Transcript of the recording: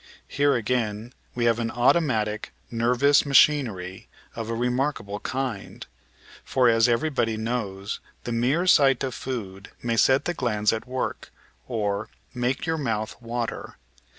Here again we have an auto matic nervous machinery of a remarkable kind, for, as every body knows, the mere sight of food may set the glands at work, or "make your mouth water."